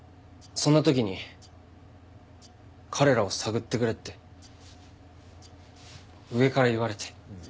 そんな時に彼らを探ってくれって上から言われて。